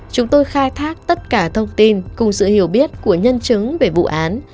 chúng tôi khai thác tất cả thông tin cùng sự hiểu biết của nhân chứng về vụ án